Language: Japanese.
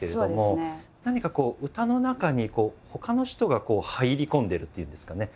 何かこう歌の中にほかの人が入り込んでるっていうんですかね